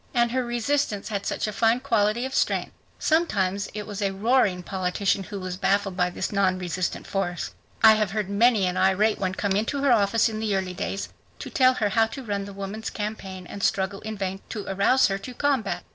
And her resistance had such a fine quality of strength. Sometimes it was a roaring politician who was baffled by this non resistant force. I have heard many an irate one come into her office in the early days to tell her how to run the woman's campaign, and struggle in vain to arouse her to combat.